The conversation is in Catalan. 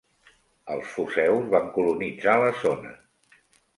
Els foceus van colonitzar la zona.